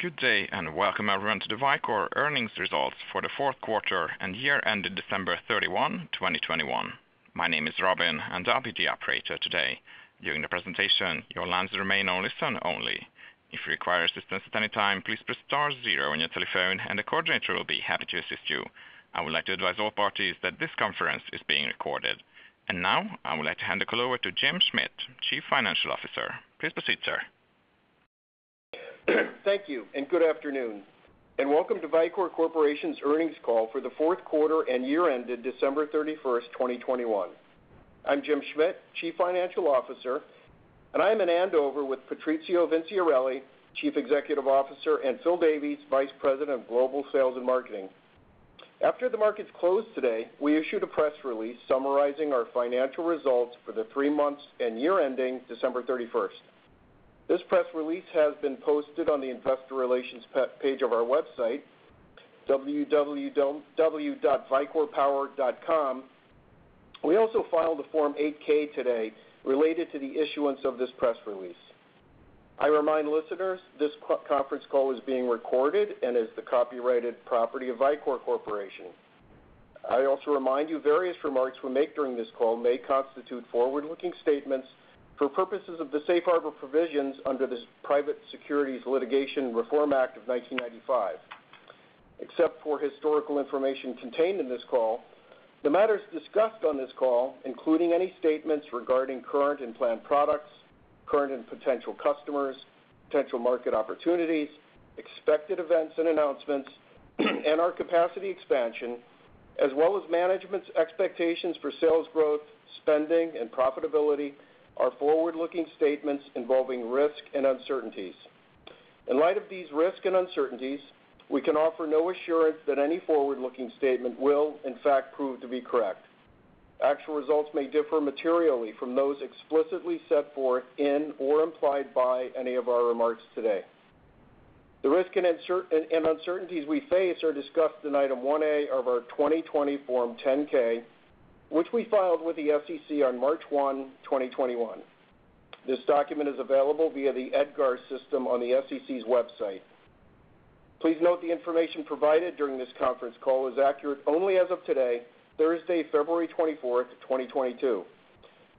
Good day, and welcome everyone to the Vicor earnings results for the fourth quarter and year ended December 31, 2021. My name is Robin, and I'll be the operator today. During the presentation, your lines remain on listen only. If you require assistance at any time, please press star zero on your telephone and the coordinator will be happy to assist you. I would like to advise all parties that this conference is being recorded. Now I would like to hand the call over to Jim Schmidt, Chief Financial Officer. Please proceed, sir. Thank you, and good afternoon, and welcome to Vicor Corporation's earnings call for the fourth quarter and year ended December 31, 2021. I'm Jim Schmidt, Chief Financial Officer, and I am in Andover with Patrizio Vinciarelli, Chief Executive Officer, and Phil Davies, Vice President of Global Sales and Marketing. After the markets closed today, we issued a press release summarizing our financial results for the three months and year ending December 31. This press release has been posted on the investor relations page of our website, www.vicorpower.com. We also filed a Form 8-K today related to the issuance of this press release. I remind listeners this conference call is being recorded and is the copyrighted property of Vicor Corporation. I also remind you various remarks we make during this call may constitute forward-looking statements for purposes of the safe harbor provisions under the Private Securities Litigation Reform Act of 1995. Except for historical information contained in this call, the matters discussed on this call, including any statements regarding current and planned products, current and potential customers, potential market opportunities, expected events and announcements, and our capacity expansion, as well as management's expectations for sales growth, spending, and profitability are forward-looking statements involving risks and uncertainties. In light of these risks and uncertainties, we can offer no assurance that any forward-looking statement will in fact prove to be correct. Actual results may differ materially from those explicitly set forth in or implied by any of our remarks today. The risk and uncertainties we face are discussed in Item 1A of our 2020 Form 10-K, which we filed with the SEC on March 1, 2021. This document is available via the EDGAR system on the SEC's website. Please note the information provided during this conference call is accurate only as of today, Thursday, February 24, 2022.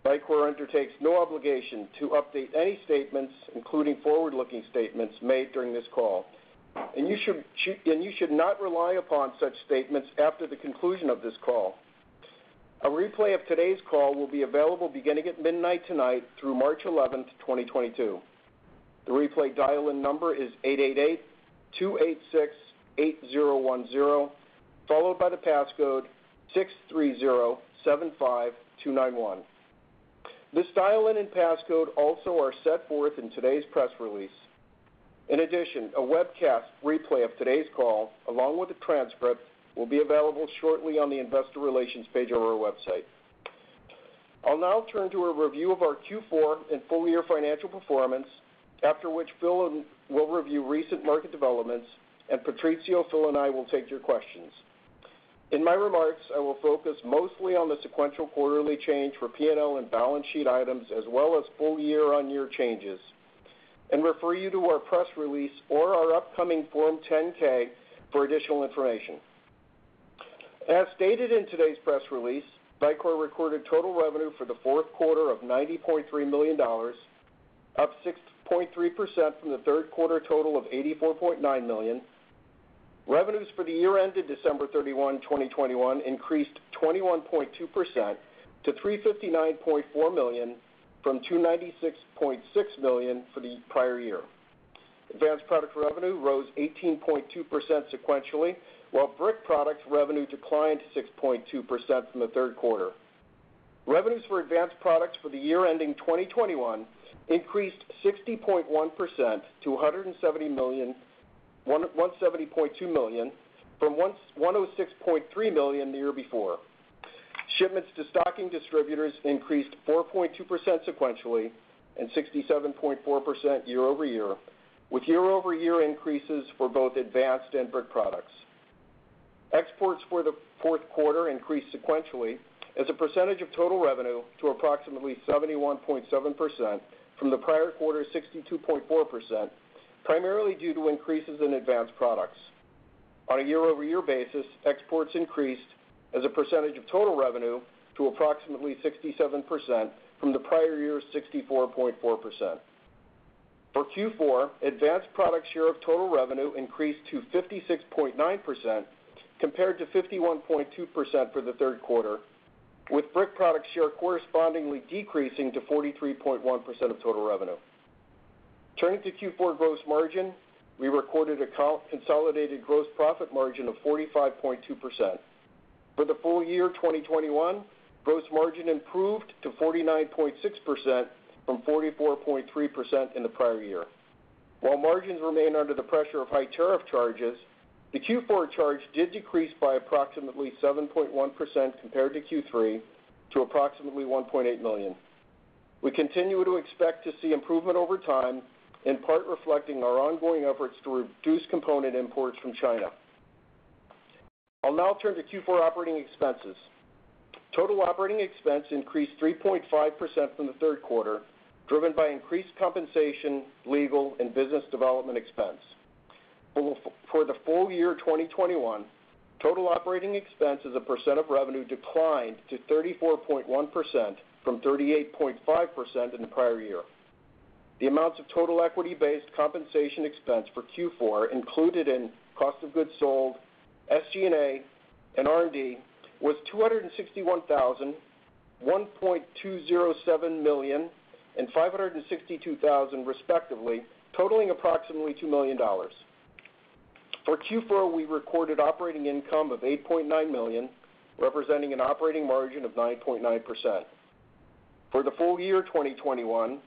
Vicor undertakes no obligation to update any statements, including forward-looking statements made during this call. You should not rely upon such statements after the conclusion of this call. A replay of today's call will be available beginning at midnight tonight through March 11, 2022. The replay dial-in number is 888-286-8010, followed by the passcode 63075291. This dial-in and passcode also are set forth in today's press release. In addition, a webcast replay of today's call, along with a transcript will be available shortly on the investor relations page of our website. I'll now turn to a review of our Q4 and full year financial performance, after which Phil will review recent market developments and Patrizio, Phil, and I will take your questions. In my remarks, I will focus mostly on the sequential quarterly change for P&L and balance sheet items, as well as full year-on-year changes, and refer you to our press release or our upcoming Form 10-K for additional information. As stated in today's press release, Vicor recorded total revenue for the fourth quarter of $90.3 million, up 6.3% from the third quarter total of $84.9 million. Revenues for the year ended December 31, 2021, increased 21.2% to $359.4 million, from $296.6 million for the prior year. Advanced Products revenue rose 18.2% sequentially, while Brick Products revenue declined 6.2% from the Q3. Revenues for Advanced Products for the year ending 2021 increased 60.1% to $170.2 million from $106.3 million the year before. Shipments to stocking distributors increased 4.2% sequentially and 67.4% year-over-year, with year-over-year increases for both Advanced and Brick Products. Exports for the fourth quarter increased sequentially as a percentage of total revenue to approximately 71.7% from the prior quarter 62.4%, primarily due to increases in Advanced Products. On a year-over-year basis, exports increased as a percentage of total revenue to approximately 67% from the prior year's 64.4%. For Q4, Advanced Product share of total revenue increased to 56.9% compared to 51.2% for the Q3, with brick product share correspondingly decreasing to 43.1% of total revenue. Turning to Q4 gross margin, we recorded a non-consolidated gross profit margin of 45.2%. For the full year 2021, gross margin improved to 49.6% from 44.3% in the prior year. While margins remain under the pressure of high tariff charges, the Q4 charge did decrease by approximately 7.1% compared to Q3 to approximately $1.8 million. We continue to expect to see improvement over time, in part reflecting our ongoing efforts to reduce component imports from China. I'll now turn to Q4 operating expenses. Total operating expense increased 3.5% from the Q3, driven by increased compensation, legal, and business development expense. For the full year 2021, total operating expense as a percent of revenue declined to 34.1% from 38.5% in the prior year. The amounts of total equity-based compensation expense for Q4 included in cost of goods sold, SG&A, and R&D was $261,000, $1.207 million, and $562,000, respectively, totaling approximately $2 million. For Q4, we recorded operating income of $8.9 million, representing an operating margin of 9.9%. For the full year 2021,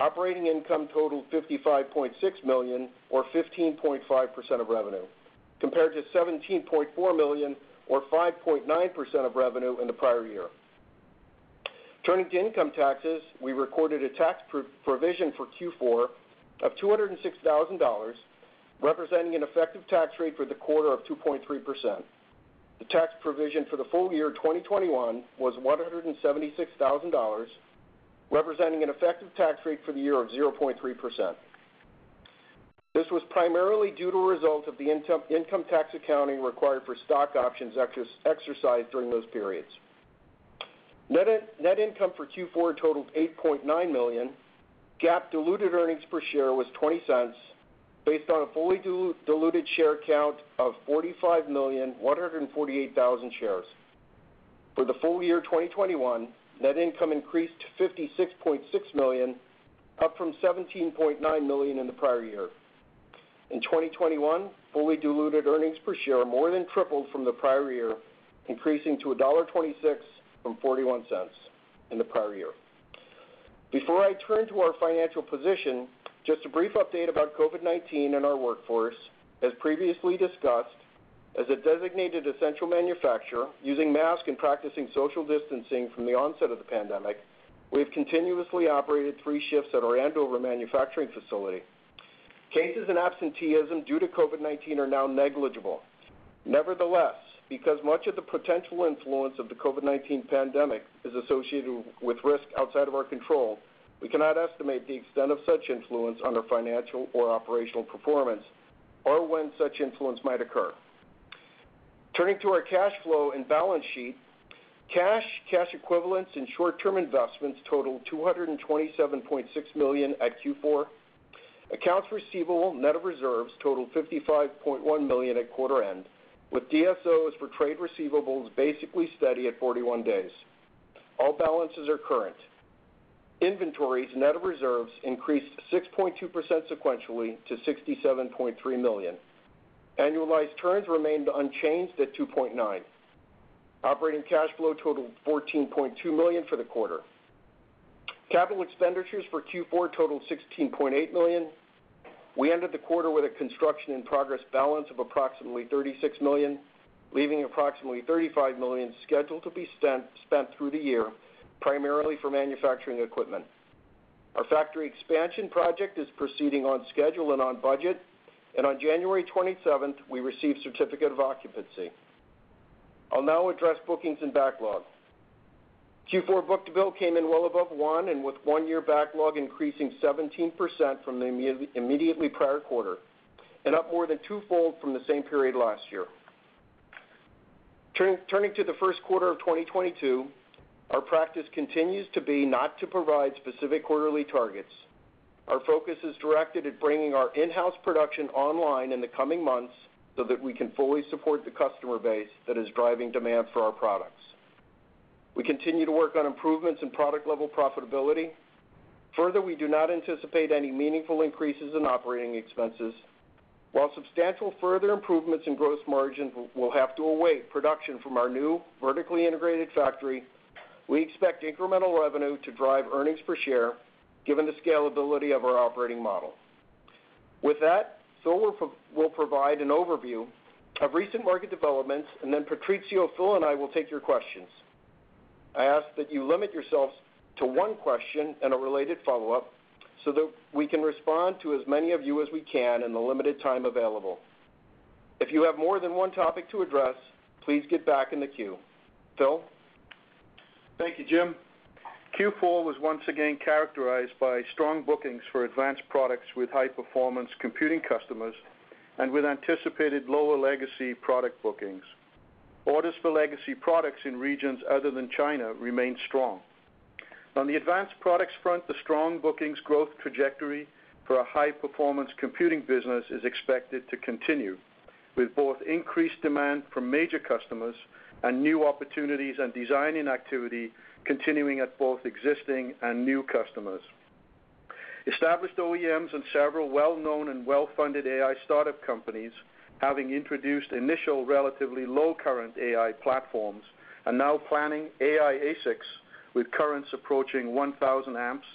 operating income totaled $55.6 million or 15.5% of revenue, compared to $17.4 million or 5.9% of revenue in the prior year. Turning to income taxes, we recorded a tax provision for Q4 of $206,000, representing an effective tax rate for the quarter of 2.3%. The tax provision for the full year 2021 was $176,000, representing an effective tax rate for the year of 0.3%. This was primarily due to results of the income tax accounting required for stock options exercised during those periods. Net income for Q4 totaled $8.9 million. GAAP diluted earnings per share was $0.20, based on a fully diluted share count of 45,148,000 shares. For the full year 2021, net income increased to $56.6 million, up from $17.9 million in the prior year. In 2021, fully diluted earnings per share more than tripled from the prior year, increasing to $1.26 from $0.41 in the prior year. Before I turn to our financial position, just a brief update about COVID-19 and our workforce. As previously discussed, as a designated essential manufacturer, using masks and practicing social distancing from the onset of the pandemic, we have continuously operated three shifts at our Andover manufacturing facility. Cases and absenteeism due to COVID-19 are now negligible. Nevertheless, because much of the potential influence of the COVID-19 pandemic is associated with risk outside of our control, we cannot estimate the extent of such influence on our financial or operational performance or when such influence might occur. Turning to our cash flow and balance sheet, cash equivalents, and short-term investments totaled $227.6 million at Q4. Accounts receivable net of reserves totaled $55.1 million at quarter end, with DSOs for trade receivables basically steady at 41 days. All balances are current. Inventories net of reserves increased 6.2% sequentially to $67.3 million. Annualized turns remained unchanged at 2.9. Operating cash flow totaled $14.2 million for the quarter. Capital expenditures for Q4 totaled $16.8 million. We ended the quarter with a construction-in-progress balance of approximately $36 million, leaving approximately $35 million scheduled to be spent through the year, primarily for manufacturing equipment. Our factory expansion project is proceeding on schedule and on budget. On January 27th, we received certificate of occupancy. I'll now address bookings and backlog. Q4 book-to-bill came in well above one and with one-year backlog increasing 17% from the immediately prior quarter, and up more than twofold from the same period last year. Turning to the first quarter of 2022, our practice continues to be not to provide specific quarterly targets. Our focus is directed at bringing our in-house production online in the coming months so that we can fully support the customer base that is driving demand for our products. We continue to work on improvements in product-level profitability. Further, we do not anticipate any meaningful increases in operating expenses. While substantial further improvements in gross margin will have to await production from our new vertically integrated factory, we expect incremental revenue to drive earnings per share given the scalability of our operating model. With that, Phil will provide an overview of recent market developments, and then Patrizio, Phil, and I will take your questions. I ask that you limit yourselves to one question and a related follow-up so that we can respond to as many of you as we can in the limited time available. If you have more than one topic to address, please get back in the queue. Phil? Thank you, Jim. Q4 was once again characterized by strong bookings for Advanced Products with high-performance computing customers and with anticipated lower legacy product bookings. Orders for legacy products in regions other than China remained strong. On the Advanced Products front, the strong bookings growth trajectory for our high-performance computing business is expected to continue, with both increased demand from major customers and new opportunities and designing activity continuing at both existing and new customers. Established OEMs and several well-known and well-funded AI startup companies, having introduced initial relatively low current AI platforms, are now planning AI ASICs with currents approaching 1,000 amps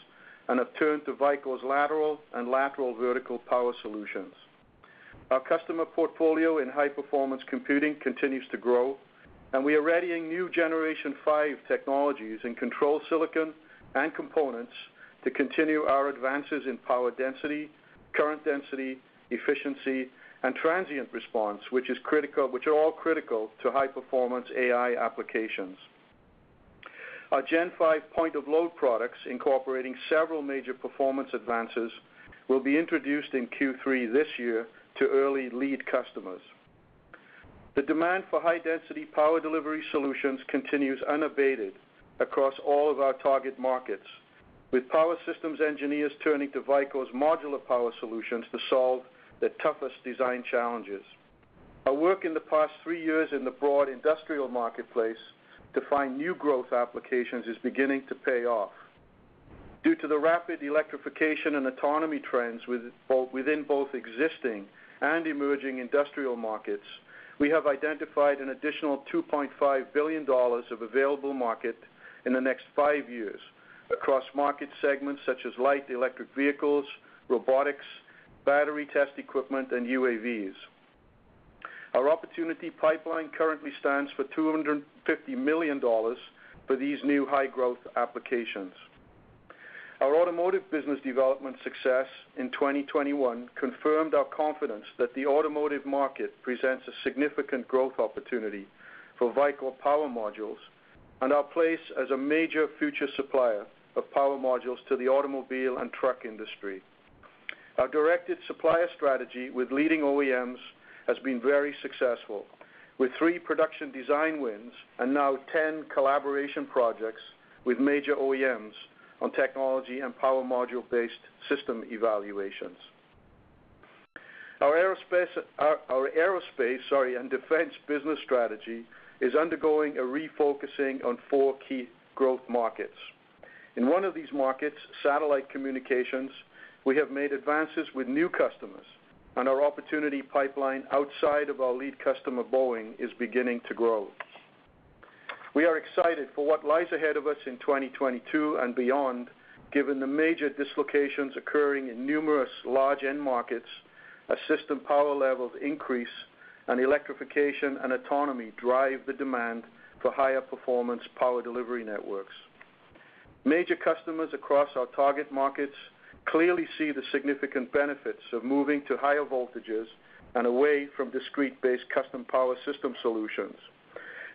and have turned to Vicor's lateral and vertical power solutions. Our customer portfolio in high-performance computing continues to grow. We are readying new Gen five technologies in control silicon and components to continue our advances in power density, current density, efficiency, and transient response, which are all critical to high-performance AI applications. Our Gen five point of load products incorporating several major performance advances will be introduced in Q3 this year to early lead customers. The demand for high-density power delivery solutions continues unabated across all of our target markets, with power systems engineers turning to Vicor's modular power solutions to solve the toughest design challenges. Our work in the past three years in the broad industrial marketplace to find new growth applications is beginning to pay off. Due to the rapid electrification and autonomy trends within both existing and emerging industrial markets, we have identified an additional $2.5 billion of available market in the next five years across market segments such as light electric vehicles, robotics, battery test equipment, and UAVs. Our opportunity pipeline currently stands at $250 million for these new high-growth applications. Our automotive business development success in 2021 confirmed our confidence that the automotive market presents a significant growth opportunity for Vicor Power Modules and our place as a major future supplier of power modules to the automobile and truck industry. Our directed supplier strategy with leading OEMs has been very successful, with three production design wins and now 10 collaboration projects with major OEMs on technology and power module-based system evaluations. Our aerospace and defense business strategy is undergoing a refocusing on four key growth markets. In one of these markets, satellite communications, we have made advances with new customers, and our opportunity pipeline outside of our lead customer, Boeing, is beginning to grow. We are excited for what lies ahead of us in 2022 and beyond, given the major dislocations occurring in numerous large end markets, a system power level of increase, and electrification and autonomy drive the demand for higher performance power delivery networks. Major customers across our target markets clearly see the significant benefits of moving to higher voltages and away from discrete-based custom power system solutions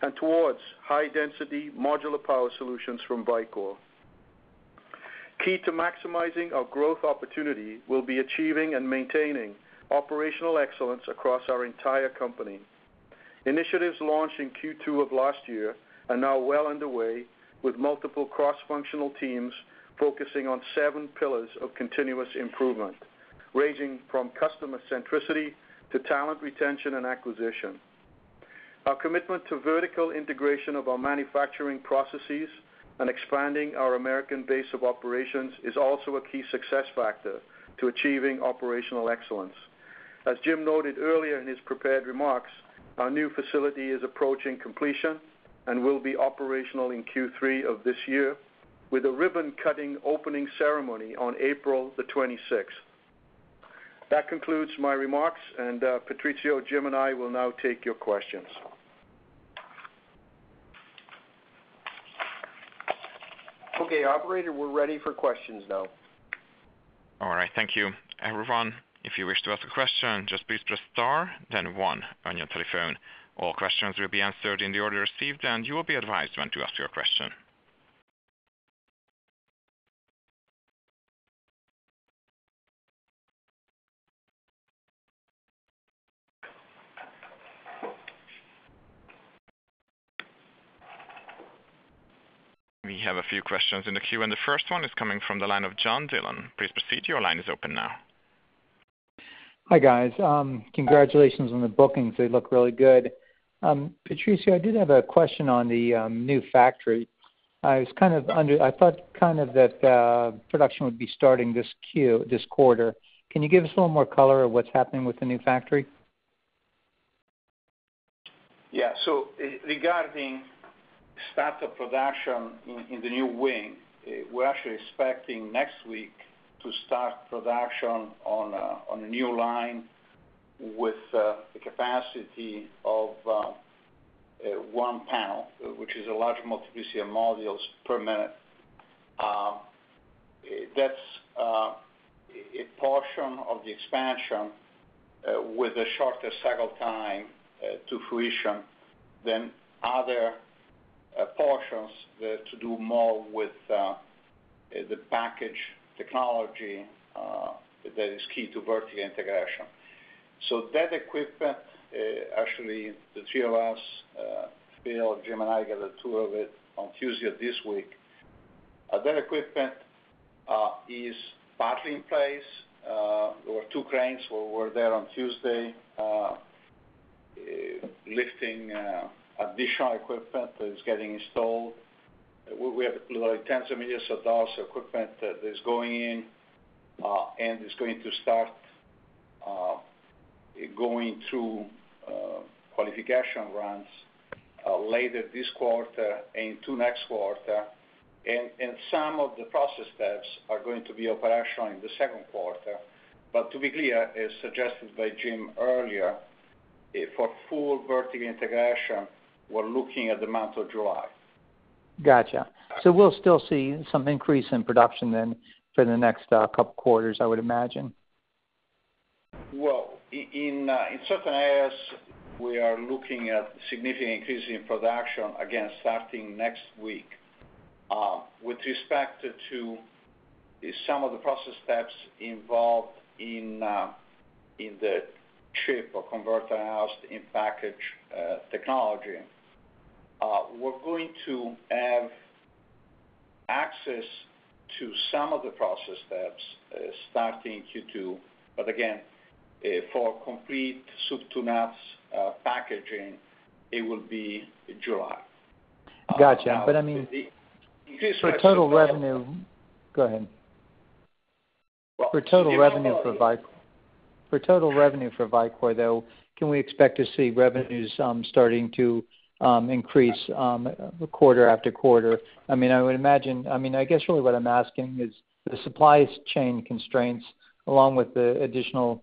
and towards high-density modular power solutions from Vicor. Key to maximizing our growth opportunity will be achieving and maintaining operational excellence across our entire company. Initiatives launched in Q2 of last year are now well underway, with multiple cross-functional teams focusing on seven pillars of continuous improvement, ranging from customer centricity to talent retention and acquisition. Our commitment to vertical integration of our manufacturing processes and expanding our American base of operations is also a key success factor to achieving operational excellence. As Jim noted earlier in his prepared remarks, our new facility is approaching completion and will be operational in Q3 of this year with a ribbon-cutting opening ceremony on April the twenty-sixth. That concludes my remarks, and, Patrizio, Jim, and I will now take your questions. Okay, operator, we're ready for questions now. All right. Thank you. Everyone, if you wish to ask a question, just please press star, then one on your telephone. All questions will be answered in the order received, and you will be advised when to ask your question. We have a few questions in the queue, and the first one is coming from the line of John Dillon. Please proceed. Your line is open now. Hi, guys. Congratulations on the bookings. They look really good. Patrizio, I did have a question on the new factory. I thought kind of that production would be starting this quarter. Can you give us a little more color on what's happening with the new factory? Yeah. Regarding start of production in the new wing, we're actually expecting next week to start production on a new line with the capacity of one panel, which is a large multiplicity of modules per minute. That's a portion of the expansion with a shorter cycle time to fruition than other portions that do more with the package technology that is key to vertical integration. That equipment, actually the three of us, Bill, Jim, and I, got a tour of it on Tuesday of this week. That equipment is partly in place. There were two cranes there on Tuesday lifting additional equipment that is getting installed. We have tens of millions of dollars of equipment that is going in and is going to start going through qualification runs later this quarter into next quarter. Some of the process steps are going to be operational in the Q2. But to be clear, as suggested by Jim earlier, for full vertical integration, we're looking at the month of July. Gotcha. We'll still see some increase in production then for the next couple quarters, I would imagine. Well, in certain areas, we are looking at significant increase in production, again, starting next week. With respect to some of the process steps involved in the ChiP or Converter housed in Package technology, we're going to have access to some of the process steps starting Q2. Again, for complete soup to nuts packaging, it will be July. Gotcha. Now, the I mean. Increase for total revenue For total revenue. Go ahead. Well, For total revenue for Vicor, though, can we expect to see revenues starting to increase quarter after quarter? I mean, I would imagine, I mean, I guess really what I'm asking is the supply chain constraints along with the additional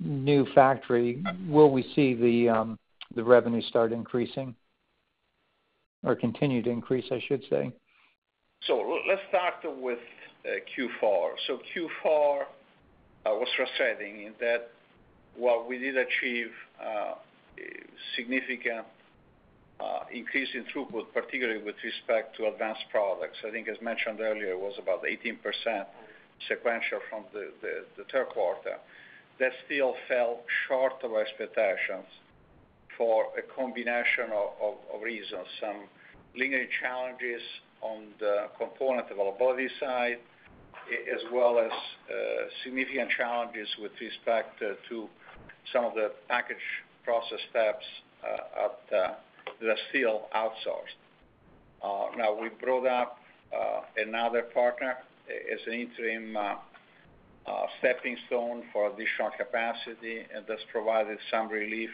new factory, will we see the revenue start increasing or continue to increase, I should say? Let's start with Q4. Q4 was frustrating in that while we did achieve significant increase in throughput, particularly with respect to Advanced Products, I think as mentioned earlier, it was about 18% sequential from the Q3, that still fell short of expectations for a combination of reasons. Some lingering challenges on the component availability side, as well as significant challenges with respect to some of the package process steps that are still outsourced. Now we brought up another partner as an interim stepping stone for additional capacity, and that's provided some relief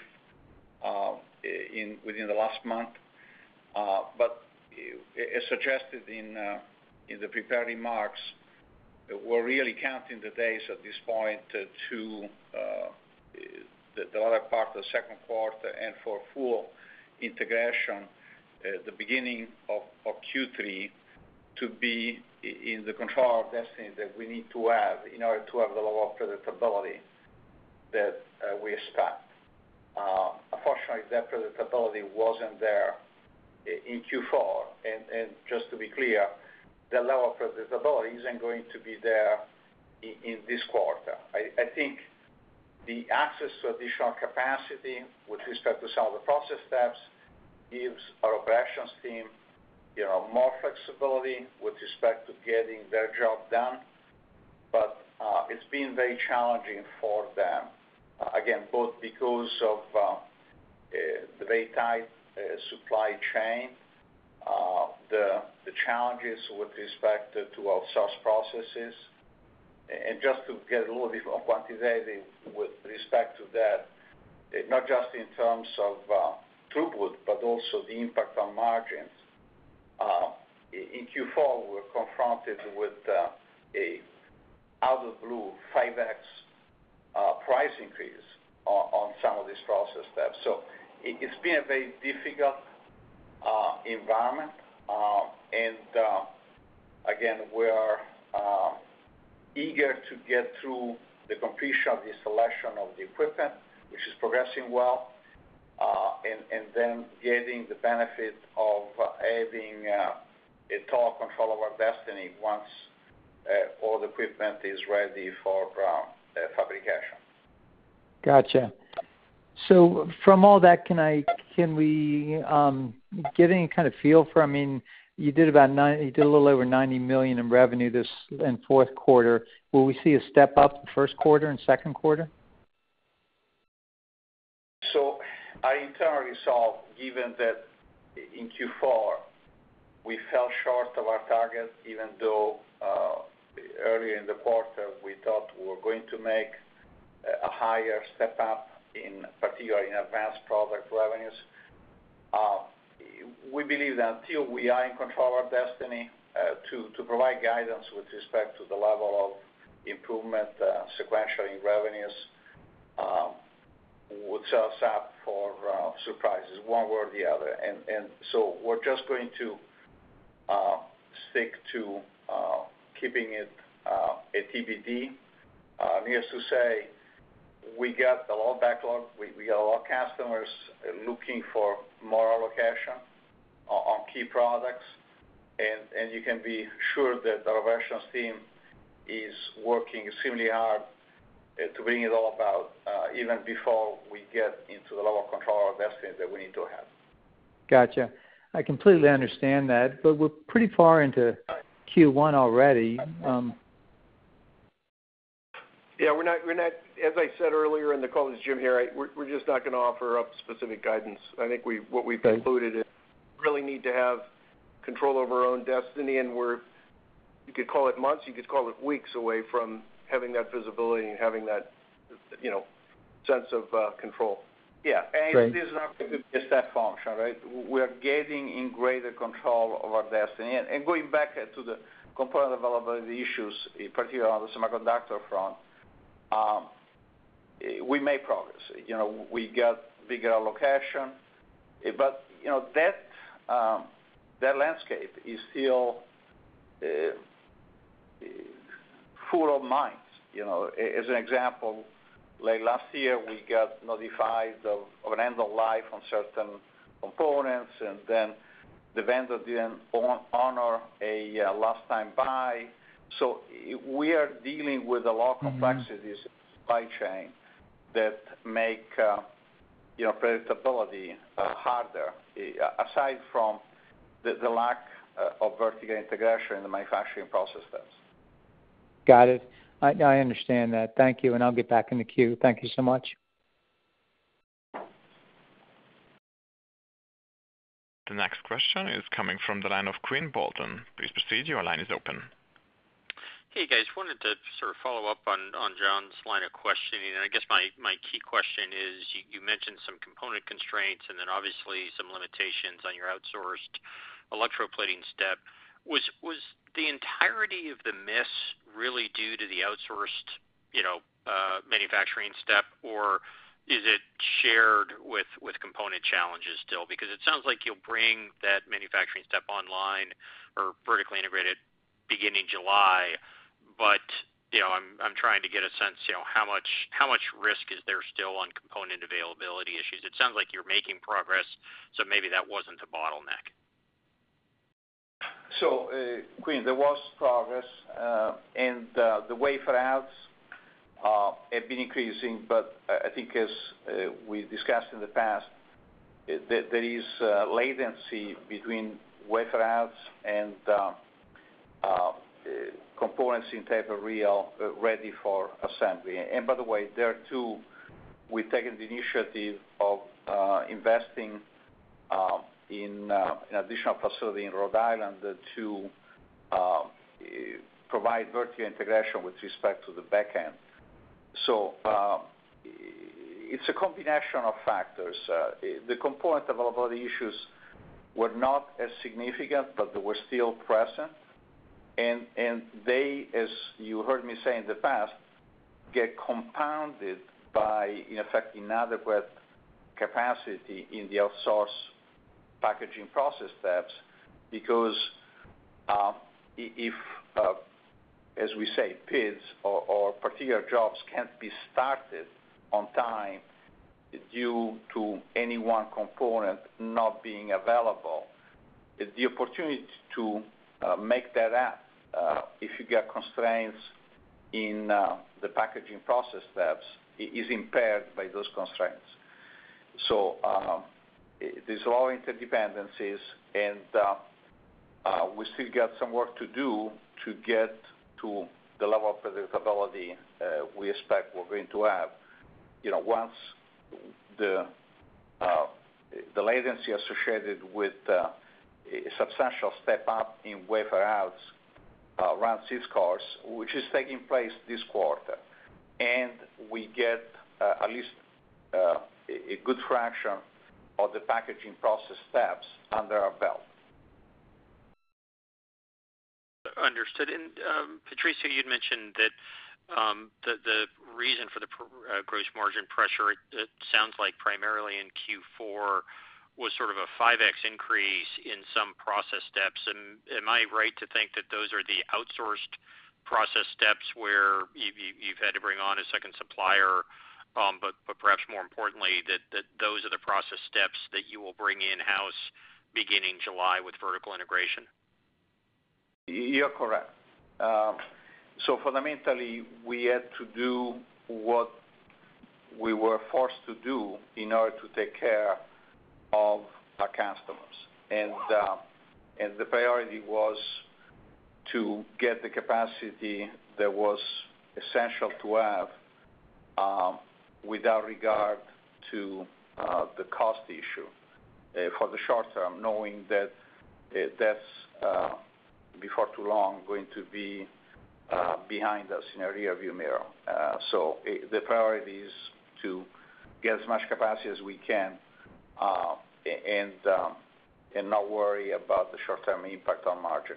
within the last month. As suggested in the prepared remarks, we're really counting the days at this point to the latter part of the Q2, and for full integration at the beginning of Q3 to be in the control of destiny that we need to have in order to have the level of predictability that we expect. Unfortunately, that predictability wasn't there in Q4. Just to be clear, the level of predictability isn't going to be there in this quarter. I think the access to additional capacity with respect to some of the process steps gives our operations team, you know, more flexibility with respect to getting their job done. It's been very challenging for them, again, both because of the very tight supply chain, the challenges with respect to outsourced processes. Just to get a little bit more quantitative with respect to that, not just in terms of throughput, but also the impact on margins. In Q4, we're confronted with an out-of-the-blue 5x price increase on some of these process steps. It's been a very difficult environment. Again, we are eager to get through the completion of the selection of the equipment, which is progressing well, and then getting the benefit of having total control of our destiny once all the equipment is ready for fabrication. Gotcha. From all that, can we get any kind of feel for, I mean, you did a little over $90 million in revenue this in Q4. Will we see a step up in Q1 and Q2? I entirely see, given that in Q4, we fell short of our target, even though earlier in the quarter, we thought we were going to make a higher step up, particularly in Advanced Products revenues. We believe that until we are in control of our destiny to provide guidance with respect to the level of improvement sequentially in revenues would set us up for surprises one way or the other. We're just going to stick to keeping it a TBD. Needless to say, we got a lot of backlog. We got a lot of customers looking for more allocation on key products. You can be sure that our operations team is working extremely hard to bring it all about even before we get into the level of control of destiny that we need to have. Gotcha. I completely understand that, but we're pretty far into Q1 already. Yeah, we're not as I said earlier in the call. This is Jim here. We're just not gonna offer up specific guidance. I think what we've concluded is Okay. We really need to have control over our own destiny, and we're You could call it months, you could call it weeks away from having that visibility and having that, you know, sense of control. Yeah. Right. This is not a step function, right? We are getting in greater control of our destiny. Going back to the component availability issues, in particular on the semiconductor front, we made progress. You know, we got bigger allocation. But you know, that landscape is still full of mines, you know. As an example, like last year, we got notified of an end of life on certain components, and then the vendor didn't honor a last time buy. We are dealing with a lot of complexities in the supply chain that make you know, predictability harder, aside from the lack of vertical integration in the manufacturing process steps. Got it. I understand that. Thank you, and I'll get back in the queue. Thank you so much. The next question is coming from the line of Quinn Bolton. Please proceed, your line is open. Hey, guys. Wanted to sort of follow up on John's line of questioning. I guess my key question is, you mentioned some component constraints and then obviously some limitations on your outsourced electroplating step. Was the entirety of the miss really due to the outsourced, you know, manufacturing step, or is it shared with component challenges still? Because it sounds like you'll bring that manufacturing step online or vertically integrated beginning July. You know, I'm trying to get a sense, you know, how much risk is there still on component availability issues? It sounds like you're making progress, so maybe that wasn't a bottleneck. Quinn, there was progress, and the wafer outs have been increasing. I think as we discussed in the past, there is a latency between wafer outs and components in tape and reel ready for assembly. By the way, there too, we've taken the initiative of investing in an additional facility in Rhode Island to provide vertical integration with respect to the back end. It's a combination of factors. The component availability issues were not as significant, but they were still present. They, as you heard me say in the past, get compounded by, in effect, inadequate capacity in the outsourced packaging process steps. Because if, as we say, PIDs or particular jobs can't be started on time due to any one component not being available, the opportunity to make that up if you get constraints in the packaging process steps is impaired by those constraints. There's a lot of interdependencies, and we still got some work to do to get to the level of predictability we expect we're going to have, you know, once the latency associated with a substantial step up in wafer outs runs its course, which is taking place this quarter, and we get at least a good fraction of the packaging process steps under our belt. Understood. Patrizio, you'd mentioned that the reason for the gross margin pressure, it sounds like primarily in Q4, was sort of a 5x increase in some process steps. Am I right to think that those are the outsourced process steps where you've had to bring on a second supplier, but perhaps more importantly that those are the process steps that you will bring in-house beginning July with vertical integration? You're correct. Fundamentally, we had to do what we were forced to do in order to take care of our customers. The priority was to get the capacity that was essential to have without regard to the cost issue for the short term, knowing that that's before too long going to be behind us in our rear view mirror. The priority is to get as much capacity as we can and not worry about the short-term impact on margin.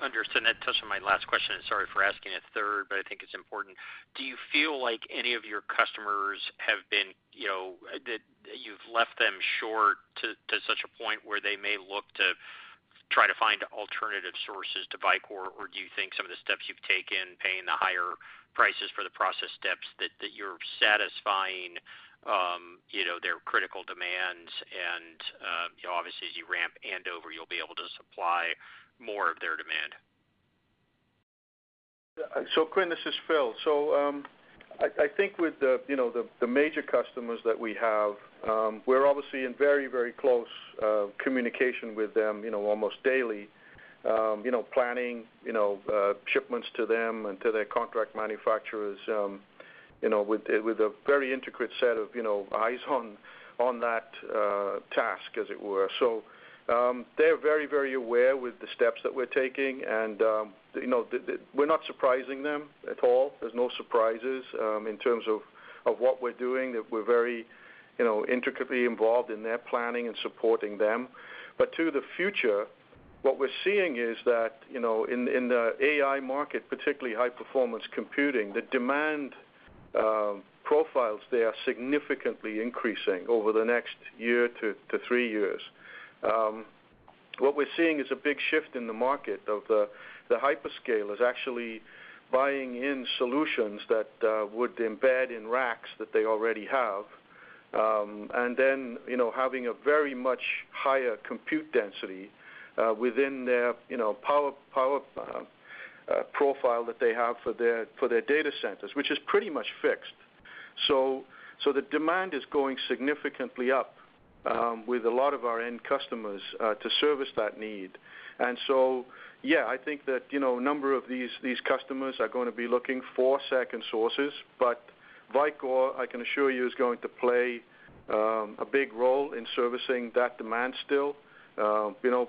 Understood. That touches on my last question, and sorry for asking a third, but I think it's important. Do you feel like any of your customers have been, you know, that you've left them short to such a point where they may look to try to find alternative sources to Vicor? Or do you think some of the steps you've taken, paying the higher prices for the process steps that you're satisfying, you know, their critical demands and, you know, obviously as you ramp Andover, you'll be able to supply more of their demand? Quinn, this is Phil. I think with the major customers that we have, we're obviously in very, very close communication with them, you know, almost daily, you know, planning, you know, shipments to them and to their contract manufacturers. You know, with a very intricate set of, you know, eyes on that task as it were. They're very, very aware of the steps that we're taking, and you know, we're not surprising them at all. There's no surprises in terms of what we're doing, that we're very, you know, intricately involved in their planning and supporting them. To the future, what we're seeing is that, you know, in the AI market, particularly high performance computing, the demand profiles there are significantly increasing over the next year to three years. What we're seeing is a big shift in the market of the hyperscalers actually buying in solutions that would embed in racks that they already have, and then, you know, having a very much higher compute density within their, you know, power profile that they have for their data centers, which is pretty much fixed. The demand is going significantly up with a lot of our end customers to service that need. Yeah, I think that, you know, a number of these customers are gonna be looking for second sources, but Vicor, I can assure you, is going to play a big role in servicing that demand still. You know,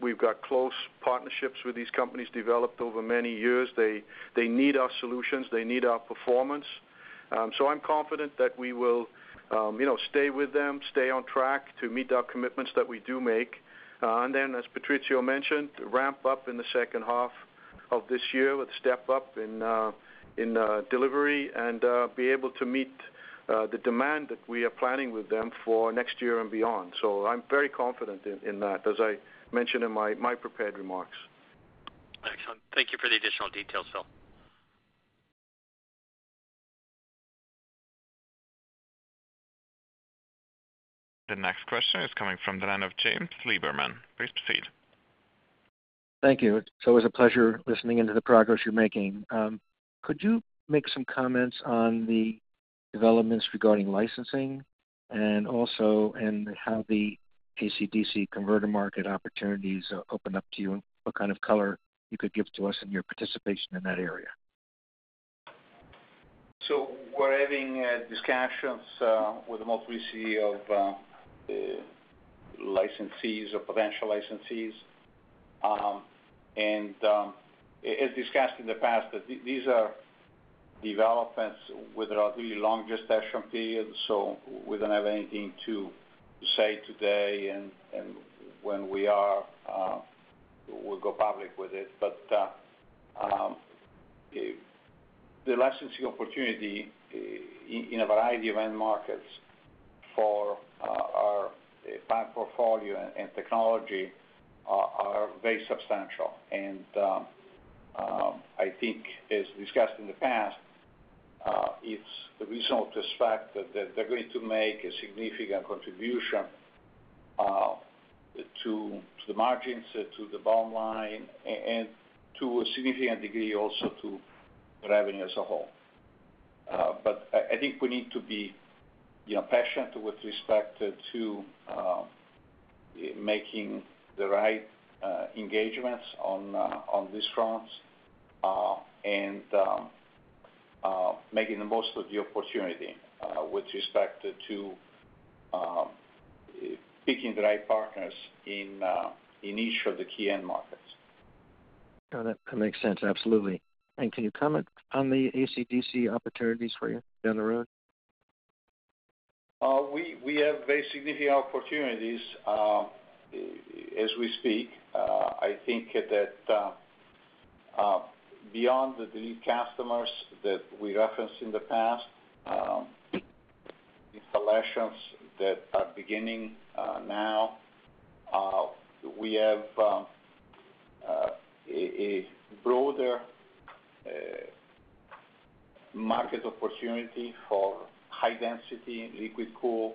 we've got close partnerships with these companies developed over many years. They need our solutions. They need our performance. I'm confident that we will, you know, stay with them, stay on track to meet our commitments that we do make. As Patrizio mentioned, ramp up in the second half of this year with step up in delivery and be able to meet the demand that we are planning with them for next year and beyond. I'm very confident in that, as I mentioned in my prepared remarks. Excellent. Thank you for the additional details, Phil. The next question is coming from the line of James Liberman. Please proceed. Thank you. It's always a pleasure listening into the progress you're making. Could you make some comments on the developments regarding licensing and also in how the AC/DC converter market opportunities open up to you, and what kind of color you could give to us in your participation in that area? We're having discussions with a multiplicity of licensees or potential licensees. As discussed in the past, these are developments with a really long gestation period, so we don't have anything to say today, and when we are, we'll go public with it. The licensing opportunity in a variety of end markets for our patent portfolio and technology are very substantial. I think as discussed in the past, it's reasonable to expect that they're going to make a significant contribution to the margins, to the bottom line and to a significant degree also to revenue as a whole. I think we need to be, you know, patient with respect to making the right engagements on these fronts and making the most of the opportunity with respect to picking the right partners in each of the key end markets. No, that makes sense. Absolutely. Can you comment on the AC/DC opportunities for you down the road? We have very significant opportunities as we speak. I think that beyond the lead customers that we referenced in the past, installations that are beginning now, we have a broader market opportunity for high density liquid cool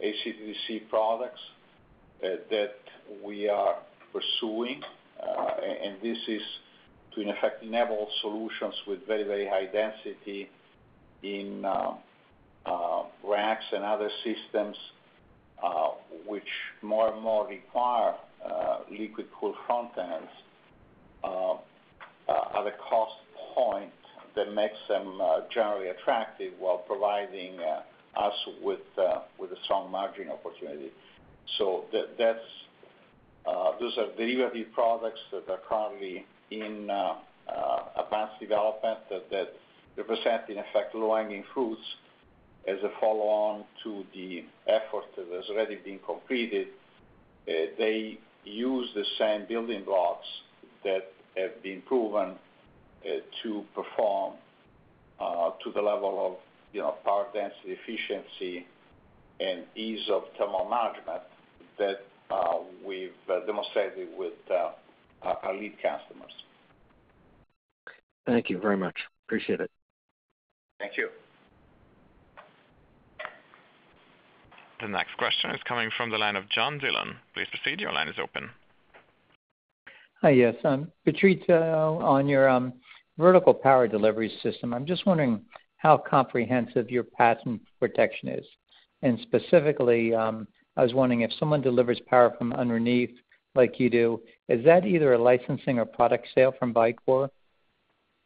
AC/DC products that we are pursuing. This is to, in effect, enable solutions with very, very high density in racks and other systems, which more and more require liquid cool front ends at a cost point that makes them generally attractive while providing us with a strong margin opportunity. Those are derivative products that are currently in advanced development that represent, in effect, low-hanging fruits as a follow on to the effort that has already been completed. They use the same building blocks that have been proven to perform to the level of, you know, power density, efficiency, and ease of thermal management that we've demonstrated with our lead customers. Thank you very much. Appreciate it. Thank you. The next question is coming from the line of John Dillon. Please proceed. Your line is open. Hi. Yes. Patrizio, on your vertical power delivery system, I'm just wondering how comprehensive your patent protection is. Specifically, I was wondering if someone delivers power from underneath like you do, is that either a licensing or product sale from Vicor?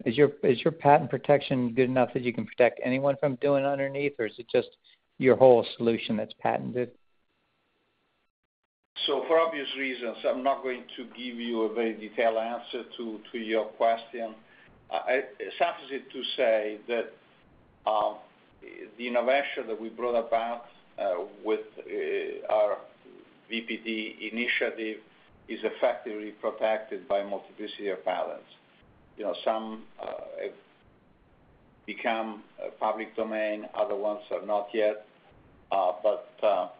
Is your patent protection good enough that you can protect anyone from doing underneath, or is it just your whole solution that's patented? For obvious reasons, I'm not going to give you a very detailed answer to your question. Suffice it to say that the innovation that we brought about with our VPD initiative is effectively protected by a multiplicity of patents. You know, some have become public domain, other ones are not yet. But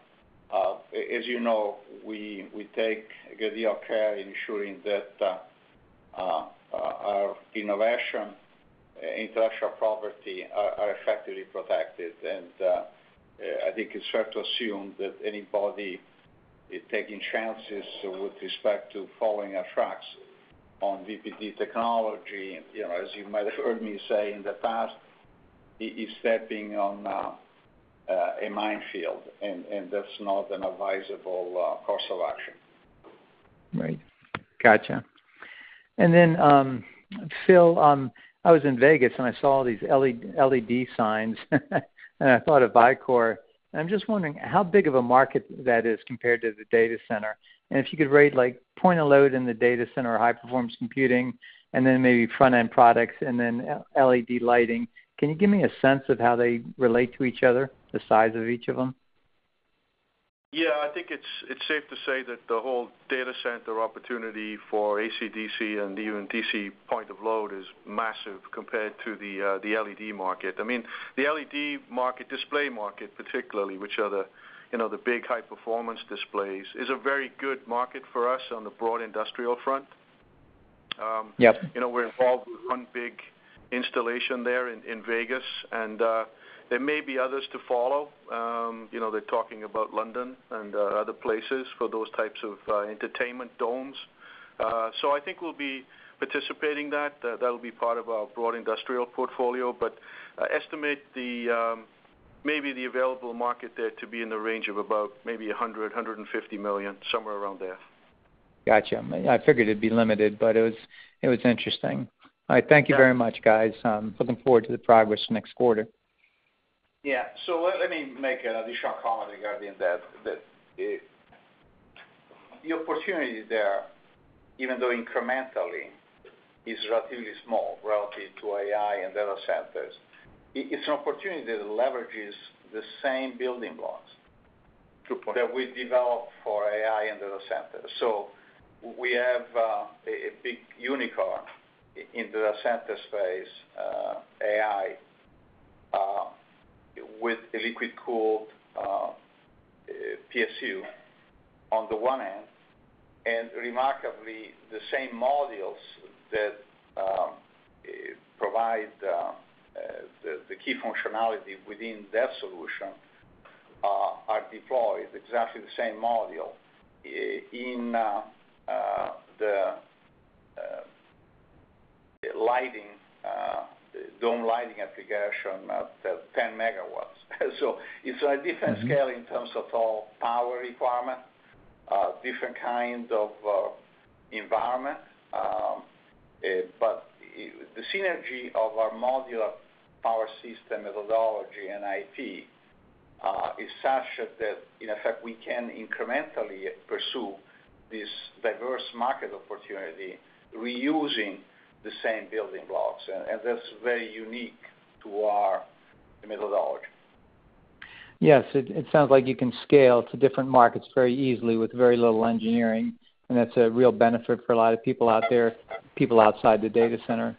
as you know, we take a good deal of care ensuring that our innovation, intellectual property are effectively protected. I think it's fair to assume that anybody taking chances with respect to following our tracks on VPD technology, you know, as you might have heard me say in the past, is stepping on a minefield, and that's not an advisable course of action. Right. Gotcha. Then, Phil, I was in Vegas, and I saw all these LED signs, and I thought of Vicor. I'm just wondering how big of a market that is compared to the data center. If you could rank, like, point-of-load in the data center, high-performance computing, and then maybe front-end products and then LED lighting. Can you give me a sense of how they relate to each other, the size of each of them? Yeah. I think it's safe to say that the whole data center opportunity for AC/DC and even DC point of load is massive compared to the LED market. I mean, the LED market, display market particularly, which are the, you know, the big high-performance displays, is a very good market for us on the broad industrial front. Yep. You know, we're involved with one big installation there in Vegas, and there may be others to follow. You know, they're talking about London and other places for those types of entertainment domes. I think we'll be participating that. That'll be part of our broad industrial portfolio. I estimate the maybe the available market there to be in the range of about maybe $100-$150 million, somewhere around there. Gotcha. I figured it'd be limited, but it was interesting. All right. Thank you very much, guys. Looking forward to the progress next quarter. Yeah. Let me make an additional comment regarding that, the opportunity there, even though incrementally, is relatively small relative to AI and data centers. It's an opportunity that leverages the same building blocks. Good point. that we developed for AI and data centers. We have a big unicorn in data center space, AI, with a liquid-cooled PSU on the one end, and remarkably, the same modules that provide the key functionality within that solution are deployed, exactly the same module in the lighting dome lighting application at 10 MW. It's a different scale in terms of overall power requirement, different kind of environment, but the synergy of our modular power system methodology and IP is such that, in effect, we can incrementally pursue this diverse market opportunity reusing the same building blocks, and that's very unique to our methodology. Yes. It sounds like you can scale to different markets very easily with very little engineering, and that's a real benefit for a lot of people out there, people outside the data center.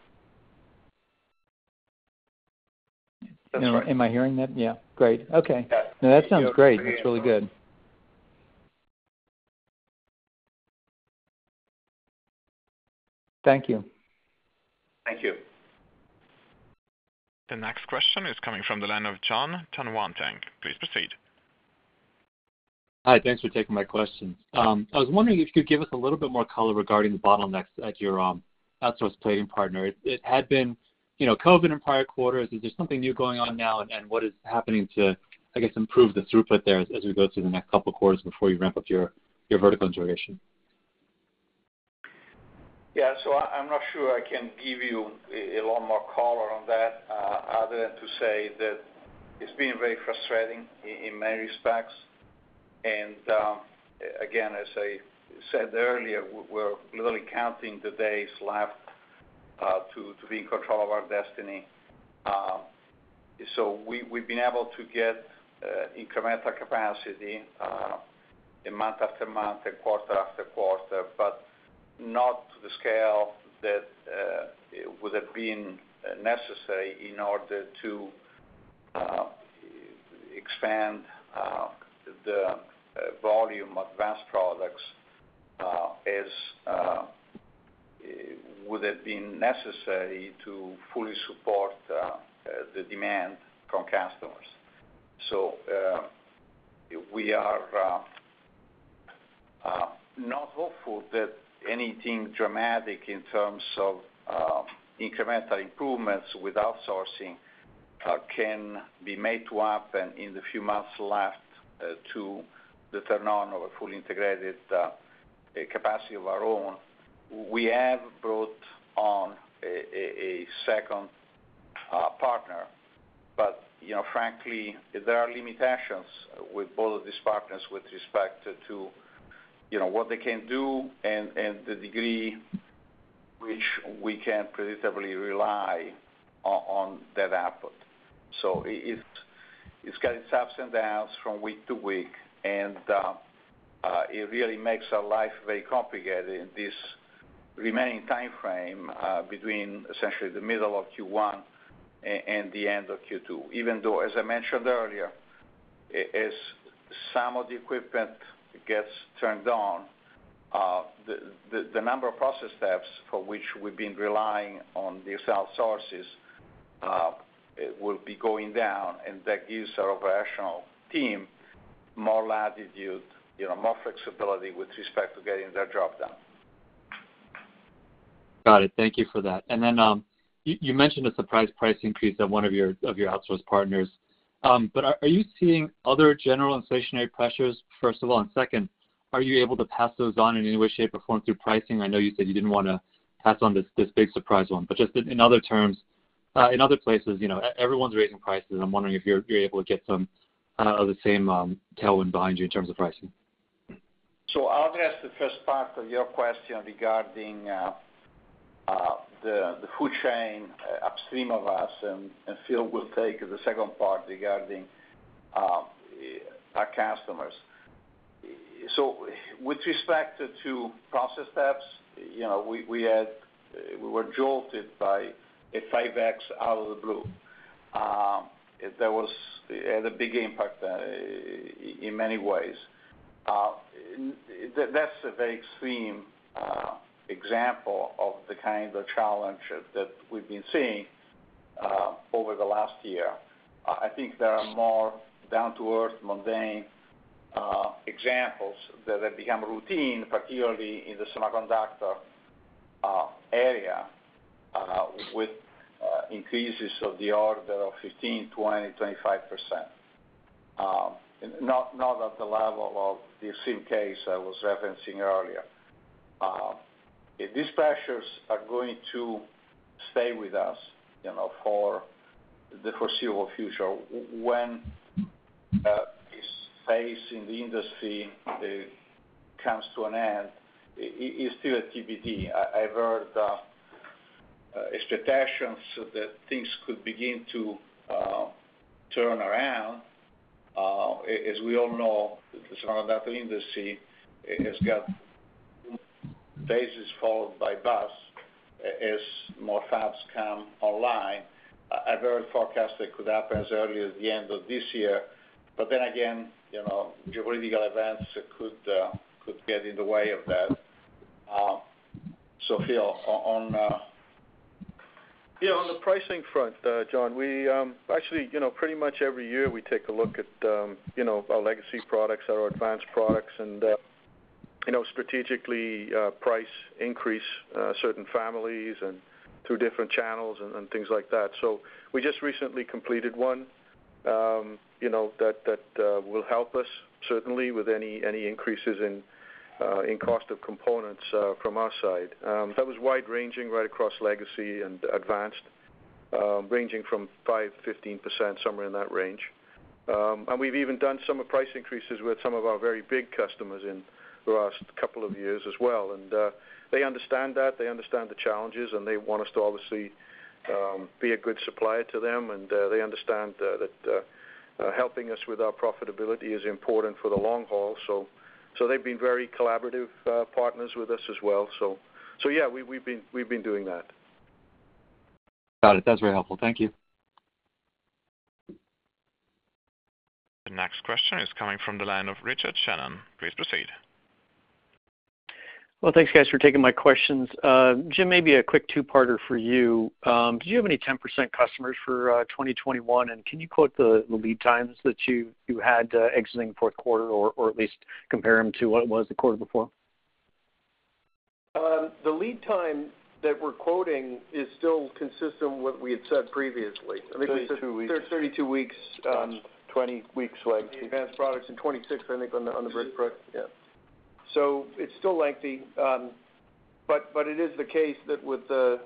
That's right. Am I hearing that? Yeah. Great. Okay. Yes. No, that sounds great. It's really good. Thank you. Thank you. The next question is coming from the line of Jonathan Tanwantong. Please proceed. Hi. Thanks for taking my questions. I was wondering if you could give us a little bit more color regarding the bottlenecks at your outsourced plating partner. It had been, you know, COVID in prior quarters. Is there something new going on now, and what is happening to, I guess, improve the throughput there as we go through the next couple of quarters before you ramp up your vertical integration? Yeah. I'm not sure I can give you a lot more color on that, other than to say that it's been very frustrating in many respects. Again, as I said earlier, we're literally counting the days left to be in control of our destiny. We've been able to get incremental capacity in month after month and quarter after quarter, but not to the scale that would have been necessary in order to expand the volume of Advanced Products as would have been necessary to fully support the demand from customers. We are not hopeful that anything dramatic in terms of incremental improvements with outsourcing can be made to happen in the few months left to the turn-on of a fully integrated capacity of our own. We have brought on a second partner. You know, frankly, there are limitations with both of these partners with respect to, you know, what they can do and the degree to which we can predictably rely on that output. It's got its ups and downs from week to week, and it really makes our life very complicated in this remaining timeframe between essentially the middle of Q1 and the end of Q2. Even though, as I mentioned earlier, as some of the equipment gets turned on, the number of process steps for which we've been relying on these outsourcers will be going down, and that gives our operations team more latitude, you know, more flexibility with respect to getting their job done. Got it. Thank you for that. You mentioned a surprise price increase on one of your outsource partners. Are you seeing other general inflationary pressures, first of all? Second, are you able to pass those on in any way, shape, or form through pricing? I know you said you didn't wanna pass on this big surprise one. Just in other terms, in other places, you know, everyone's raising prices. I'm wondering if you're able to get some of the same tailwind behind you in terms of pricing. I'll address the first part of your question regarding the supply chain upstream of us, and Phil will take the second part regarding our customers. With respect to process steps, we were jolted by a 5X out of the blue. That had a big impact in many ways. That's a very extreme example of the kind of challenge that we've been seeing over the last year. I think there are more down to earth, mundane examples that have become routine, particularly in the semiconductor area, with increases of the order of 15, 20, 25%. Not at the level of the same case I was referencing earlier. These pressures are going to stay with us, you know, for the foreseeable future. When this phase in the industry comes to an end is still a TBD. I've heard strategists that things could begin to turn around. As we all know, the semiconductor industry has got phases followed by busts as more fabs come online. I've heard forecasts that could happen as early as the end of this year. Again, you know, geopolitical events could get in the way of that. Phil, on... Yeah, on the pricing front, John, we actually, you know, pretty much every year we take a look at, you know, our legacy products, our Advanced products, and, you know, strategically price increase certain families and through different channels and things like that. We just recently completed one, you know, that will help us certainly with any increases in cost of components from our side. That was wide-ranging right across legacy and Advanced, ranging from 5%-15%, somewhere in that range. We've even done some price increases with some of our very big customers in the last couple of years as well. They understand that, they understand the challenges, and they want us to obviously be a good supplier to them. They understand that helping us with our profitability is important for the long haul. They've been very collaborative partners with us as well. Yeah, we've been doing that. Got it. That's very helpful. Thank you. The next question is coming from the line of Richard Shannon. Please proceed. Well, thanks guys for taking my questions. Jim, maybe a quick two-parter for you. Do you have any 10% customers for 2021? And can you quote the lead times that you had exiting Q4 or at least compare them to what it was the quarter before? The lead time that we're quoting is still consistent with what we had said previously. 32 weeks. 32 weeks, 20 weeks lag... the Advanced Products and 26, I think, on the brick pro- Yes. Yeah. It's still lengthy, but it is the case that with the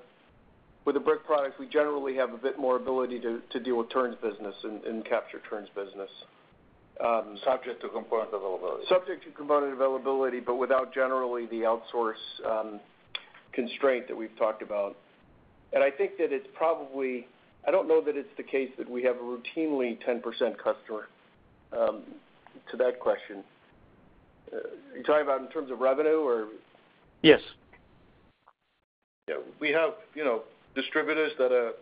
brick products, we generally have a bit more ability to deal with turns business and capture turns business. Subject to component availability. Subject to component availability, but without generally the outsourcing constraint that we've talked about. I think that it's probably, I don't know that it's the case that we have a routinely 10% customer, to that question. Are you talking about in terms of revenue or? Yes. Yeah. We have, you know, distributors that are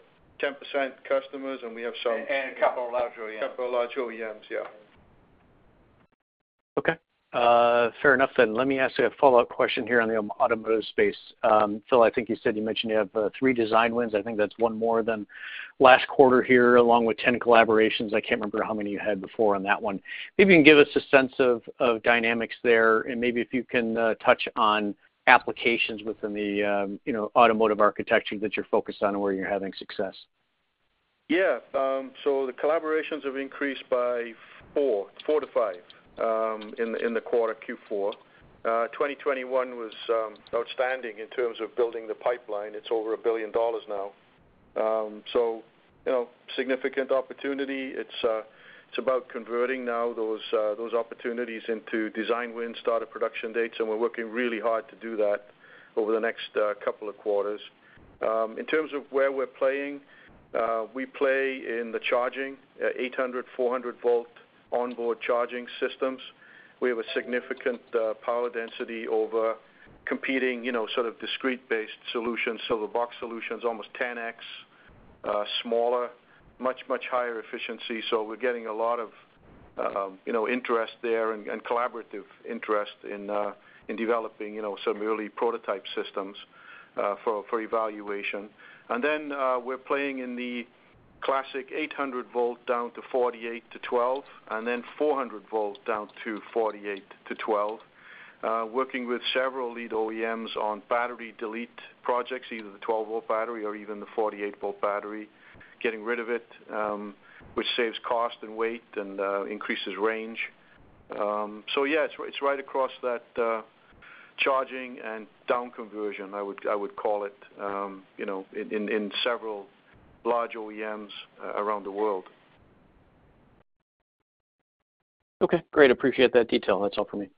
10% customers, and we have some- A couple of large OEMs. Couple of large OEMs, yeah. Okay. Fair enough then. Let me ask a follow-up question here on the automotive space. Phil, I think you said you mentioned you have three design wins. I think that's one more than last quarter here, along with 10 collaborations. I can't remember how many you had before on that one. Maybe you can give us a sense of dynamics there, and maybe if you can touch on applications within the you know, automotive architecture that you're focused on where you're having success. The collaborations have increased by 4-5 in Q4. 2021 was outstanding in terms of building the pipeline. It's over $1 billion now. You know, significant opportunity. It's about converting now those opportunities into design wins, start of production dates, and we're working really hard to do that over the next couple of quarters. In terms of where we're playing, we play in the charging 800-400 volt onboard charging systems. We have a significant power density over competing, you know, sort of discrete-based solutions. The box solution's almost 10x smaller, much higher efficiency. We're getting a lot of, you know, interest there and collaborative interest in developing, you know, some early prototype systems for evaluation. We're playing in the classic 800 V down to 48 V to 12 V, and then 400 V down to 48 V to 12 V, working with several lead OEMs on battery delete projects, either the 12-V battery or even the 48-V battery, getting rid of it, which saves cost and weight and increases range. Yeah, it's right across that charging and down conversion, I would call it, you know, in several large OEMs around the world. Okay, great. Appreciate that detail. That's all for me.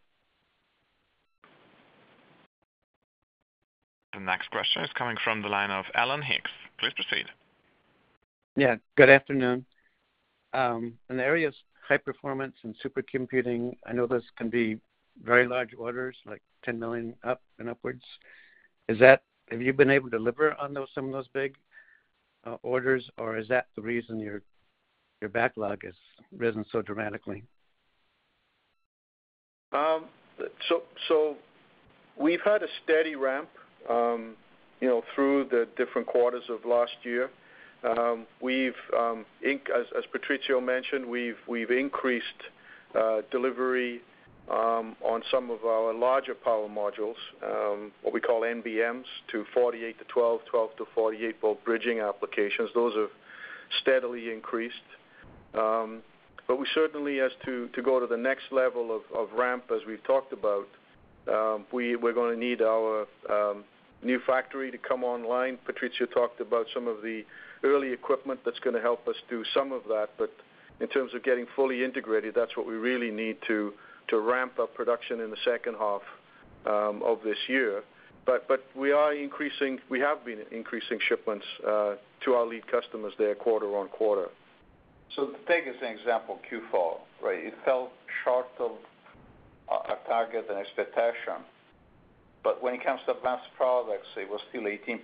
The next question is coming from the line of Alan Hicks. Please proceed. Yeah, good afternoon. In the areas high performance and supercomputing, I know those can be very large orders, like $10 million up and upwards. Have you been able to deliver on those, some of those big orders, or is that the reason your backlog has risen so dramatically? We've had a steady ramp, you know, through the different quarters of last year. As Patrizio mentioned, we've increased delivery on some of our larger power modules, what we call NBMs, to 48-12, 12-48 volt bridging applications. Those have steadily increased. To go to the next level of ramp as we've talked about, we're gonna need our new factory to come online. Patrizio talked about some of the early equipment that's gonna help us do some of that, but in terms of getting fully integrated, that's what we really need to ramp up production in the second half of this year. We have been increasing shipments to our lead customers there quarter-over-quarter. Take as an example Q4, right? It fell short of our target and expectation, but when it comes to Advanced Products, it was still 18%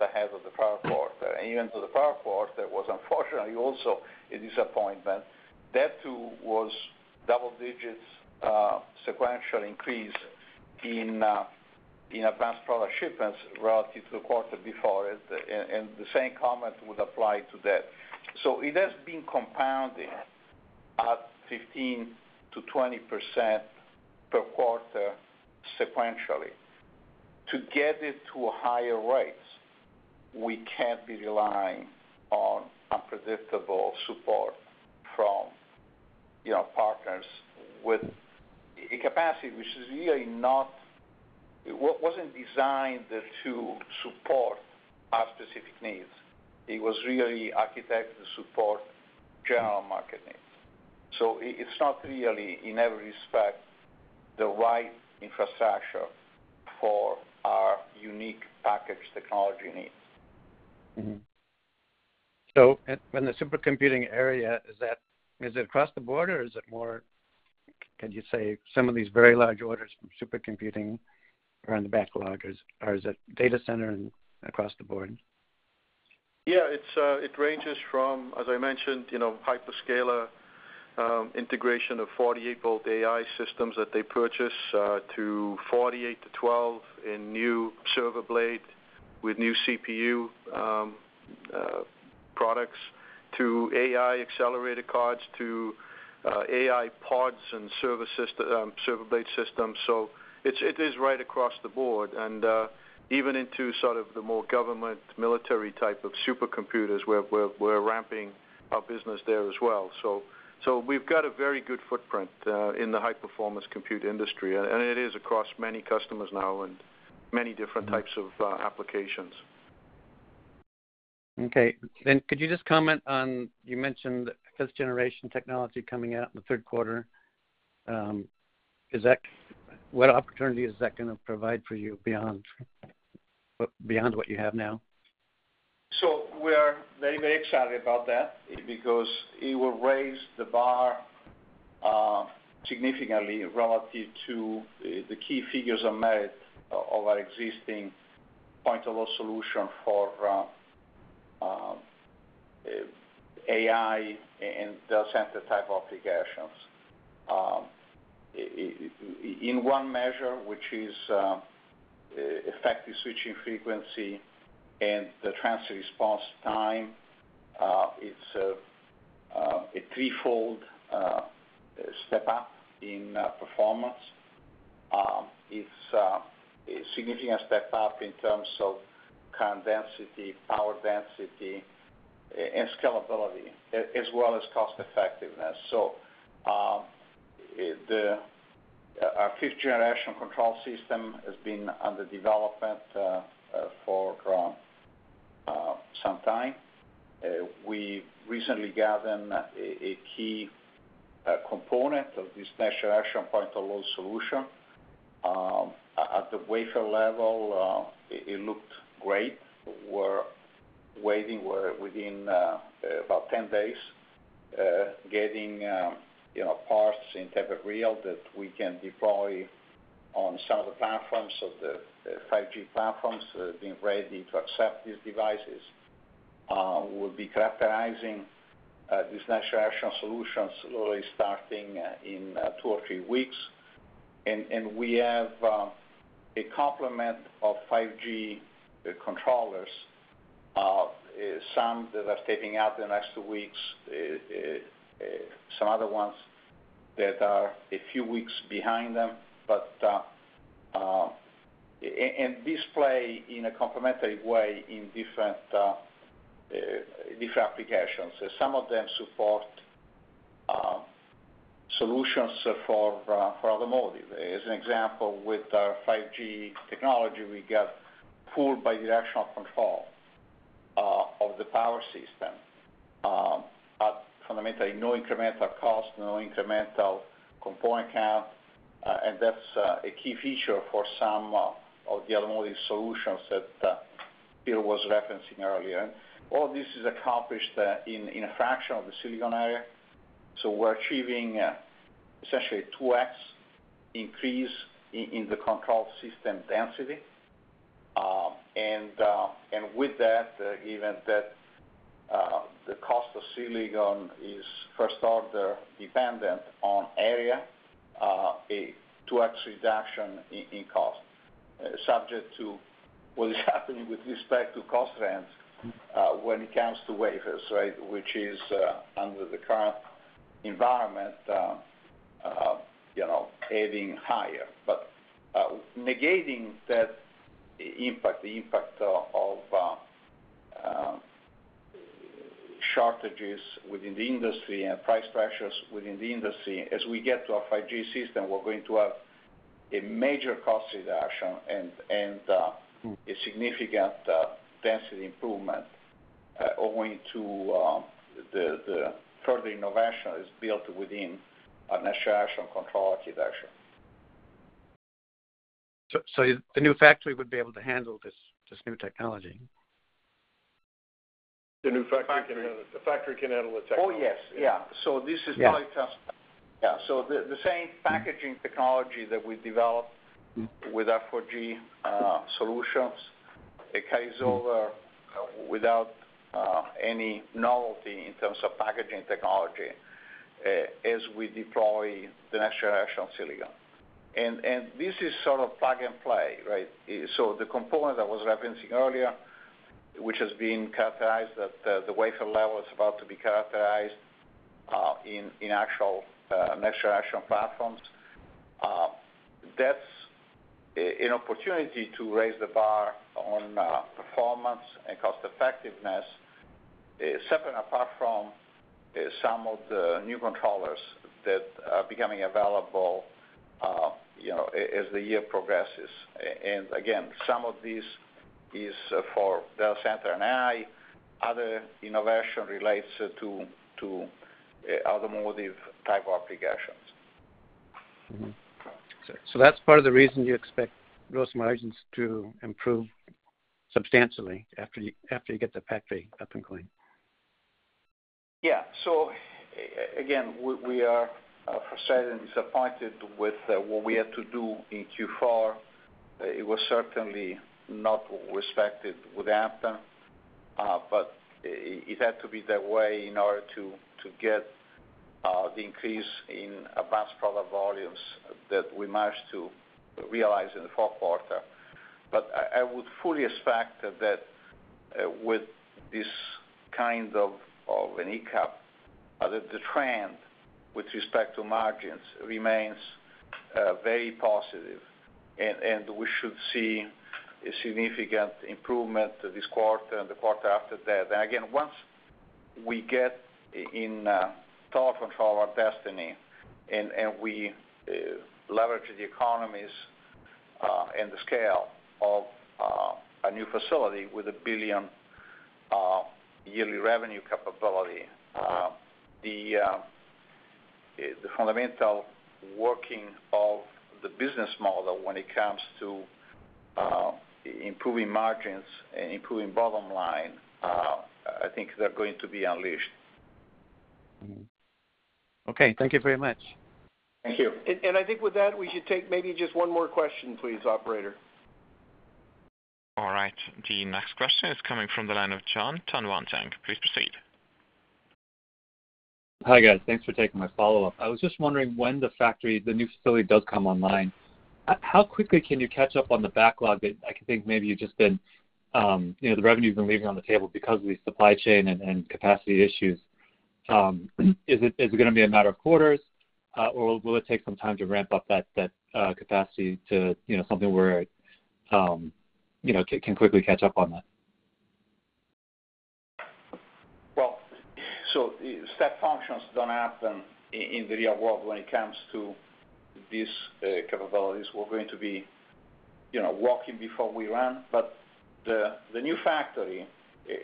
ahead of the prior quarter. Even to the prior quarter, it was unfortunately also a disappointment. That too was double digits sequential increase in Advanced Product shipments relative to the quarter before it, and the same comment would apply to that. It has been compounding at 15%-20% per quarter sequentially. To get it to higher rates, we can't be relying on unpredictable support from partners with a capacity which is really not. It wasn't designed to support our specific needs. It was really architected to support general market needs. It's not really, in every respect, the right infrastructure for our unique package technology needs. In the supercomputing area, is it across the board, or can you say some of these very large orders from supercomputing are in the backlog? Or is it data center and across the board? Yeah. It ranges from, as I mentioned, you know, hyperscaler integration of 48-volt AI systems that they purchase to 48 to 12 in new server blade with new CPU products to AI accelerator cards to AI pods and server blade systems. It's right across the board and even into sort of the more government, military type of supercomputers. We're ramping our business there as well. We've got a very good footprint in the high-performance compute industry, and it is across many customers now and many different types of applications. Okay. Could you just comment on, you mentioned fifth-generation technology coming out in the Q3. Is that what opportunity is that gonna provide for you beyond what you have now? We're very excited about that because it will raise the bar significantly relative to the key figures of our existing point of load solution for AI and data center type applications. In one measure, which is effective switching frequency and the transient response time, it's a threefold step-up in performance. It's a significant step-up in terms of current density, power density, and scalability, as well as cost effectiveness. Our fifth generation control system has been under development for some time. We recently gathered a key component of this next generation point-of-load solution. At the wafer level, it looked great. We're waiting. We're within about 10 days getting parts in tape and reel that we can deploy on some of the platforms, so the 5G platforms being ready to accept these devices. We'll be characterizing these next generation solutions slowly starting in two or three weeks. We have a complement of 5G controllers, some that are taping out the next two weeks, some other ones that are a few weeks behind them. They play in a complementary way in different applications. Some of them support solutions for automotive. As an example, with our Gen five technology, we get full bidirectional control of the power system at fundamentally no incremental cost, no incremental component count, and that's a key feature for some of the automotive solutions that Bill was referencing earlier. All this is accomplished in a fraction of the silicon area. We're achieving essentially 2x increase in the control system density. And with that, given that the cost of silicon is first order dependent on area, a 2x reduction in cost, subject to what is happening with respect to cost trends when it comes to wafers, right, which is under the current environment, you know, heading higher. Negating that impact, the impact of shortages within the industry and price pressures within the industry, as we get to a 5G system, we're going to have a major cost reduction and a significant density improvement owing to the further innovation is built within our next generation control architecture. The new factory would be able to handle this new technology? The new factory can handle it. The factory can handle the technology. Oh, yes. Yeah. Yeah. This is probably test. Yeah. The same packaging technology that we developed with our 4G solutions, it carries over without any novelty in terms of packaging technology as we deploy the next generation silicon. This is sort of plug and play, right? The component I was referencing earlier, which has been characterized at the wafer level, is about to be characterized in actual next generation platforms. That's an opportunity to raise the bar on performance and cost effectiveness, separate and apart from some of the new controllers that are becoming available, you know, as the year progresses. Again, some of these is for data center and AI. Other innovation relates to automotive type applications. That's part of the reason you expect gross margins to improve substantially after you get the factory up and going. Again, we are frustrated and disappointed with what we had to do in Q4. It was certainly not what we expected would happen, but it had to be that way in order to get the increase in Advanced product volumes that we managed to realize in the fourth quarter. I would fully expect that with this kind of a hiccup, that the trend with respect to margins remains very positive, and we should see a significant improvement this quarter and the quarter after that. Again, once we get in total control of our destiny and we leverage the economies and the scale of a new facility with $1 billion yearly revenue capability, the fundamental working of the business model when it comes to improving margins and improving bottom line, I think they're going to be unleashed. Okay, thank you very much. Thank you. I think with that, we should take maybe just one more question, please, operator. All right. The next question is coming from the line of Jonathan Tanwanteng. Please proceed. Hi, guys. Thanks for taking my follow-up. I was just wondering when the factory, the new facility does come online, how quickly can you catch up on the backlog that I can think maybe you've just been, you know, the revenue's been left on the table because of the supply chain and capacity issues. Is it gonna be a matter of quarters, or will it take some time to ramp up that capacity to, you know, something where, you know, can quickly catch up on that? Step functions don't happen in the real world when it comes to these capabilities. We're going to be, you know, walking before we run. The new factory,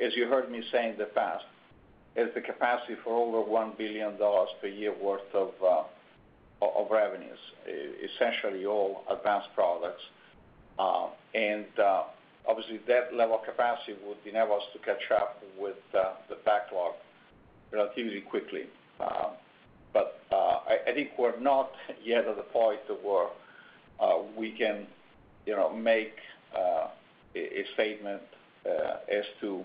as you heard me say in the past, has the capacity for over $1 billion per year worth of revenues, essentially all Advanced Products. Obviously, that level of capacity would enable us to catch up with the backlog relatively quickly. I think we're not yet at the point where we can, you know, make a statement as to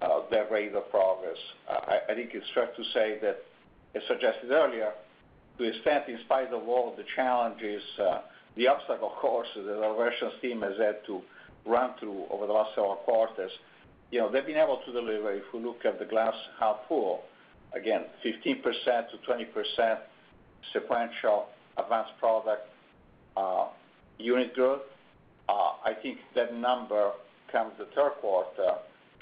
the rate of progress. I think it's fair to say that, as suggested earlier, to the extent, in spite of all the challenges, the obstacle course that our operations team has had to run through over the last several quarters, you know, they've been able to deliver. If we look at the glass half full, again, 15%-20% sequential Advanced product unit growth, I think that number come the Q3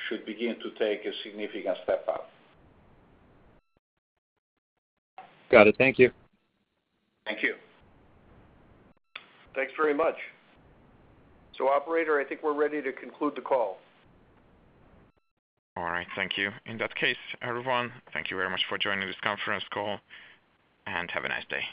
should begin to take a significant step up. Got it. Thank you. Thank you. Thanks very much. Operator, I think we're ready to conclude the call. All right, thank you. In that case, everyone, thank you very much for joining this conference call, and have a nice day.